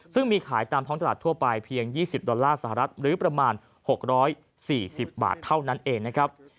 ซึ่งมีขายตามท้องตลาดทั่วไปเพียง๒๐ดอลลาร์สหรัฐหรือประมาณ๖๔๐บาทเท่านั้นเองนะครับ